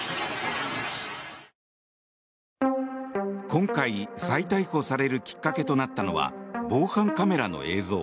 今回、再逮捕されるきっかけとなったのは防犯カメラの映像。